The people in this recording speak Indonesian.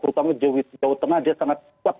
terutama jawa tengah dia sangat kuat